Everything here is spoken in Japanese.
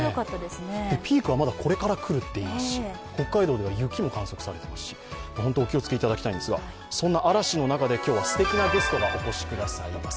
ピークはまだこれから来るっていうし、北海道では雪も観測されていますし、本当にお気をつけいただきたいんですが、そんな嵐の中で今日はすてきなゲストがお越しくださいます。